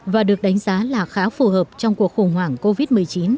và được đánh giá là khá phù hợp trong cuộc khủng hoảng covid một mươi chín